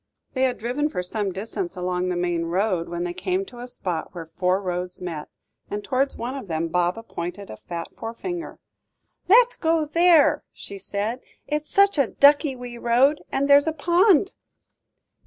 They had driven for some distance along the main road, when they came to a spot where four roads met, and towards one of them Baba pointed a fat forefinger. "Let's go along there," she said; "it's such a ducky wee road, and there's a pond."